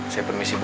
saya permisi bu